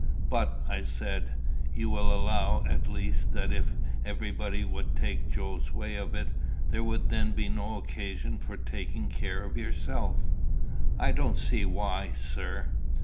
"But," I said, "you will allow, at least, that if everybody would take Joe's way of it, there would then be no occasion for taking care of yourself." "I don't see why, sir."